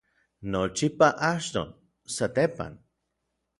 nochipa, achton, satepan